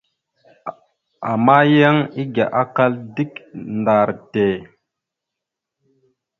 Ama yan ege akal dik ndar tte.